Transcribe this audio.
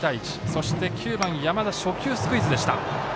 そして、９番の山田初球スクイズでした。